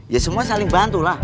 ya semua saling bantu lah